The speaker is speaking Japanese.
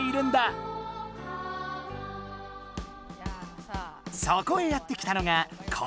そこへやってきたのがこちらの２人。